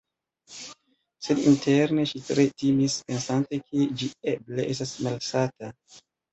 Sed interne ŝi tre timis pensante ke ĝi eble estas malsata.